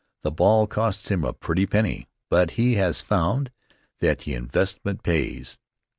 The ball costs him a pretty penny, but he has found that the investment pays.